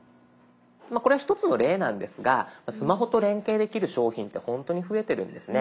これは一つの例なんですがスマホと連携できる商品ってほんとに増えてるんですね。